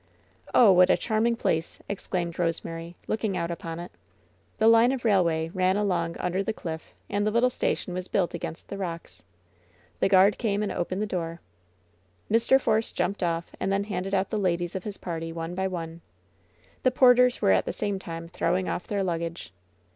"Oh, what a charming place !" exclaimed Rosemary, looking out upon it. The line of railway ran along under the cliff, and the little station was built against the rocks. The guard came and opened the door. 182 LOVE'S BITTEREST CUP Mr. Porce jumped off, and then handed out the ladies of his party, one by one. The porters were at the same time throwing off their luggage.